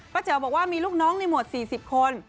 แจ๋วบอกว่ามีลูกน้องในหมวด๔๐คน